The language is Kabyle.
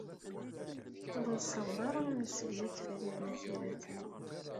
Ur nessaweḍ ara ad d-nsellek Farid n At Yiraten.